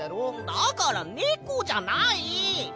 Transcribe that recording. だからネコじゃない！